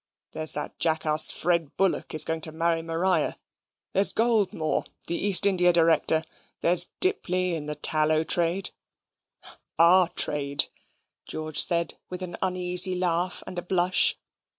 There is that jackass Fred Bullock is going to marry Maria there's Goldmore, the East India Director, there's Dipley, in the tallow trade OUR trade," George said, with an uneasy laugh and a blush.